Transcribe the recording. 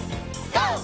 ＧＯ！